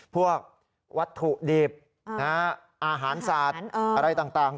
พวกวัตถุดิบอาหารสัตว์อะไรต่าง